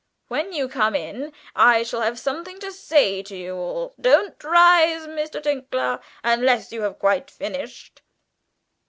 When you come in I shall have something to say to you all. Don't rise, Mr. Tinkler, unless you have quite finished."